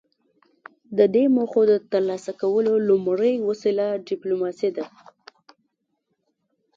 د دې موخو د ترلاسه کولو لومړۍ وسیله ډیپلوماسي ده